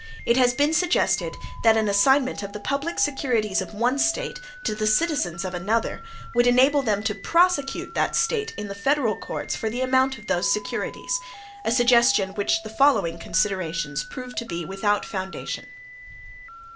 It has been suggested that an assignment of the public securities of one State to the citizens of another, would enable them to prosecute that State in the federal courts for the amount of those securities; a suggestion which the following considerations prove to be without foundation.